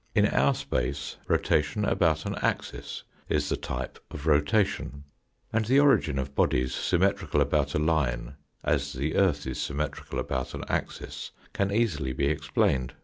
In our space, rotation about an axis is the type of rotation, and the origin of bodies sym metrical about a line as the earth is symmetrical about an axis can easily be explained.